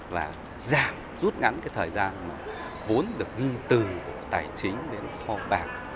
và giảm rút ngắn cái thời gian vốn được ghi từ tài chính đến kho bạc